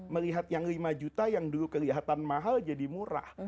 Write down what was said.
melihat yang lima juta yang dulu kelihatan mahal jadi murah